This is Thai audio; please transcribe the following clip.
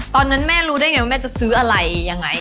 ตอนนั้นแม่รู้ได้ไงว่าแม่จะซื้ออะไรยังไง